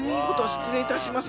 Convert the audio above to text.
失礼いたします